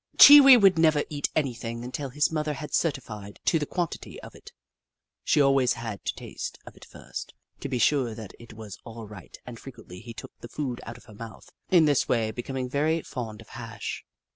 Chee Wee would never eat anything until his mother had certified to the quality of it. She always had to taste of it first, to be sure that it was all right, and frequently he took the food out of her mouth, in this way be coming very fond of hash.